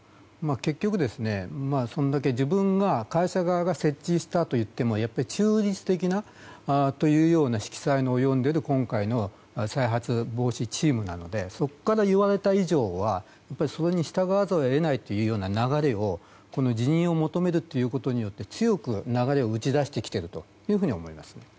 結局、それだけ自分は会社側が設置したといってもやっぱり中立的なというような今回の再発防止チームなのでそこから言われた以上はそれに従わざるを得ない流れを辞任を求めるということによって強く流れを打ち出していると思います。